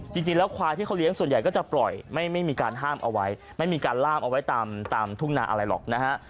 จริงแล้วควายที่เขาเลี้ยงส่วนใหญ่ก็จะปล่อยไม่มีการห้ามเอาไว้ไม่มีการล่ามเอาไว้ตามทุ่งนาอะไรหรอกนะฮะ